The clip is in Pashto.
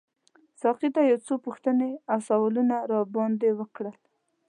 ساقي یو څو پوښتنې او سوالونه راباندي وکړل.